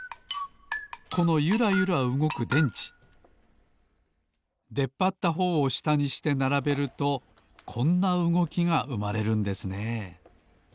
このゆらゆらうごく電池でっぱったほうをしたにしてならべるとこんなうごきがうまれるんですね